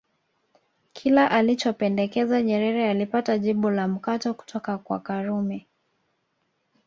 Kila alichopendekeza Nyerere alipata jibu la mkato kutoka kwa Karume